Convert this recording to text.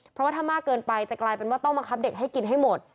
เพราะว่าถ้ามากเกินไปจะกลายเป็นว่าต้องบังคับเด็กให้กินให้หมด